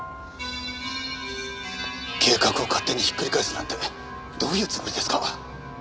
計画を勝手にひっくり返すなんてどういうつもりですか？